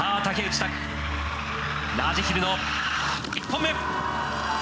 択ラージヒルの１本目。